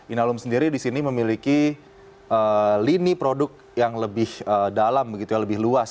inalum sendiri di sini memiliki lini produk yang lebih dalam begitu ya lebih luas